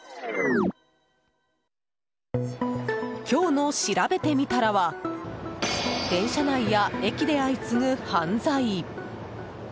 今日のしらべてみたらは電車内や駅で相次ぐ犯罪。